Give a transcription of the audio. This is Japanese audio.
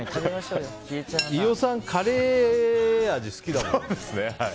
飯尾さん、カレー味好きだもんね。